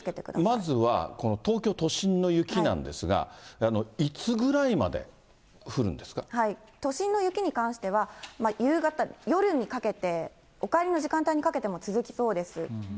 このまずは東京都心の雪なんですが、いつぐらいまで降るんで都心の雪に関しては、夕方、夜にかけて、お帰りの時間帯にかけても続きそうです。